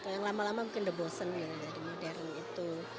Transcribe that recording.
yang lama lama mungkin debosen ya jadi modern itu